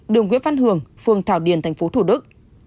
đường quyết văn hường phường thảo điền tp thủ đức